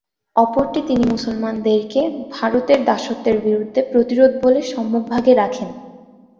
অপরটি তিনি মুসলমানদেরকে "ভারতের দাসত্বের বিরুদ্ধে প্রতিরোধ" বলে সম্মুখভাগে রাখেন।